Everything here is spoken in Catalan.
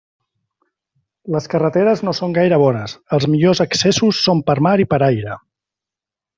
Les carreteres no són gaire bones; els millors accessos són per mar i per aire.